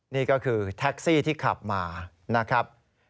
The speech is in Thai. นี่ก็คือแท็กซี่ที่ขับมานะครับ